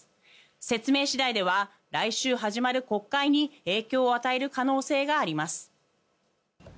説明次第では来週始まる国会に影響を与える可能性があります。